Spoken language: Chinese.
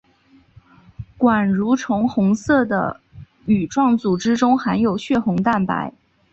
管蠕虫红色的羽状组织中含有血红蛋白。